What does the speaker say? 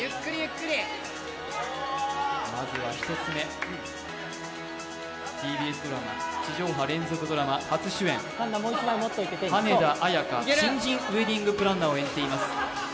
まずは１つ目、ＴＢＳドラマ地上波連続ドラマ初主演、羽田綾華、新人ウエディングプランナーを演じています。